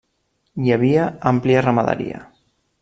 Hi havia àmplia ramaderia.